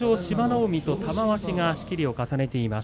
海と玉鷲が仕切りを重ねています。